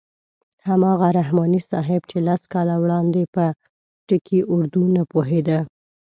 هماغه رحماني صاحب چې لس کاله وړاندې په ټکي اردو نه پوهېده.